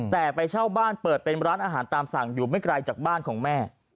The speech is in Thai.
แต่ไปเช่าบ้านเปิดเป็นร้านอาหารตามสั่งอยู่ไม่ไกลจากบ้านของแม่